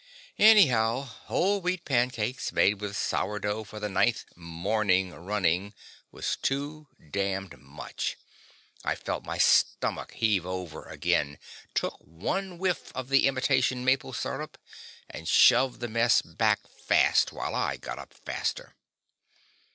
Anyhow, whole wheat pancakes made with sourdough for the ninth "morning" running was too damned much! I felt my stomach heave over again, took one whiff of the imitation maple syrup, and shoved the mess back fast while I got up faster.